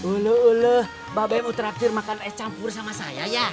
ulu ulu babay mau traktir makan es campur sama saya ya